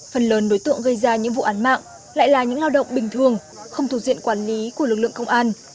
phần lớn đối tượng gây ra những vụ án mạng lại là những lao động bình thường không thuộc diện quản lý của lực lượng công an